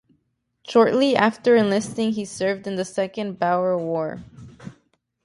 Shortly after enlisting he served in the Second Boer War.